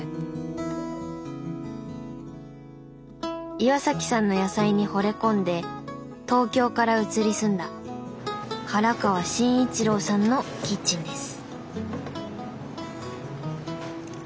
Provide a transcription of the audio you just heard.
岩さんの野菜にほれ込んで東京から移り住んだ原川慎一郎さんのキッチンです。